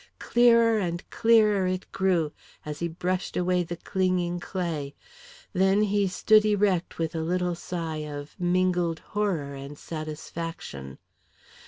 Clearer and clearer it grew, as he brushed away the clinging clay; then he stood erect with a little sigh of mingled horror and satisfaction.